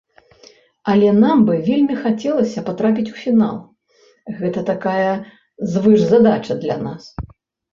Але нам бы вельмі хацелася патрапіць у фінал, гэта такая звышзадача для нас.